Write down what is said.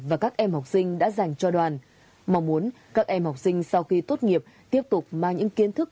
và các em học sinh đã dành cho đoàn mong muốn các em học sinh sau khi tốt nghiệp tiếp tục mang những kiến thức